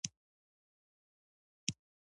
• د ملګري مینه خالصه وي.